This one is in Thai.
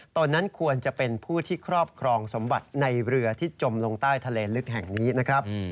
ตนนั้นควรจะเป็นผู้ที่ครอบครองสมบัติในเรือที่จมลงใต้ทะเลลึกแห่งนี้นะครับ